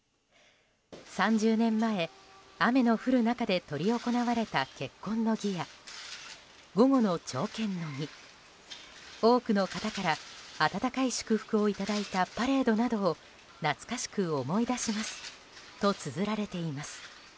３０年前雨の降る中で執り行われた結婚の儀や午後の朝見の儀多くの方から温かい祝福をいただいたパレードなどを懐かしく思い出しますとつづられています。